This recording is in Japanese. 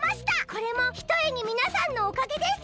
これもひとえにみなさんのおかげです。